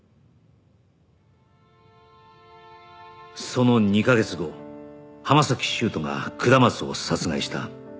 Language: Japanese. その２カ月後浜崎修斗が下松を殺害した